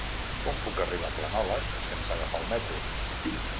Com puc arribar a Planoles sense agafar el metro?